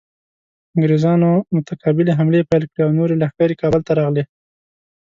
انګریزانو متقابلې حملې پیل کړې او نورې لښکرې کابل ته راغلې.